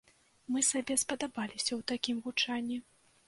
Мы сабе спадабаліся ў такім гучанні!